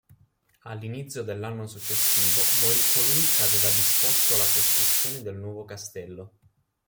All'inizio dell'anno successivo morì colui che aveva disposto la costruzione del nuovo castello.